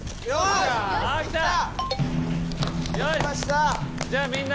よし！